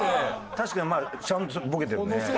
確かにちゃんとボケてるね。